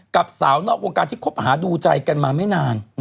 กับสาวนอกวงการที่คบหาดูใจกันมาไม่นาน